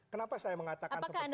kenapa saya mengatakan seperti ini juga